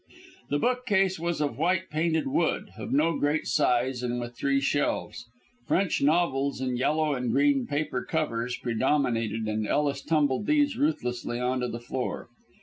The bookcase was of white painted wood, of no great size, and with three shelves. French novels in yellow and green paper covers predominated and Ellis tumbled these ruthlessly on to the floor.